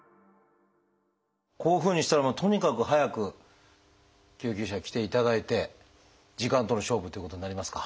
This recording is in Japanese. こういうふうにしたらとにかく早く救急車に来ていただいて時間との勝負ということになりますか？